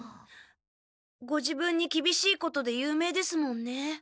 ご自分にきびしいことで有名ですもんね。